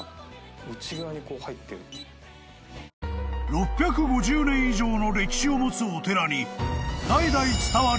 ［６５０年以上の歴史を持つお寺に代々伝わる宝物］